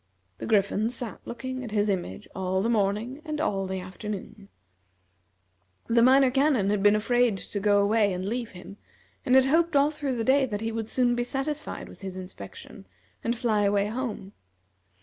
The Griffin sat looking at his image all the morning and all the afternoon. The Minor Canon had been afraid to go away and leave him, and had hoped all through the day that he would soon be satisfied with his inspection and fly away home.